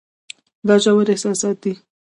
دا ژور احساسات دي.